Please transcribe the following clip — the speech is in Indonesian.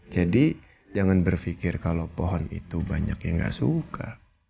jadi jangan berpikir kalau pohon itu banyak yang gak suka